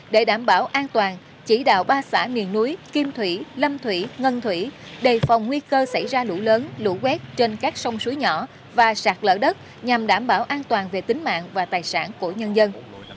để đảm bảo an toàn chỉ đạo ba xã miền núi kim thủy lâm thủy ngân thủy đề phòng nguy cơ xảy ra lũ lớn lũ quét trên các sông suối nhỏ và sạt lở đất nhằm đảm bảo an toàn về tính mạng và tài sản của nhân dân